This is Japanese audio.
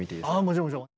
もちろんもちろん。